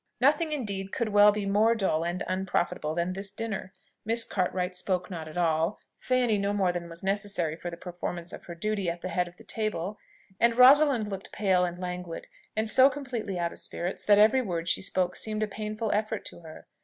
Nothing, indeed, could well be more dull and unprofitable than this dinner. Miss Cartwright spoke not at all; Fanny, no more than was necessary for the performance of her duty at the head of the table; and Rosalind looked pale and languid, and so completely out of spirits, that every word she spoke seemed a painful effort to her.